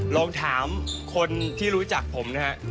ลองถามคนที่รู้จักผมนะฮะ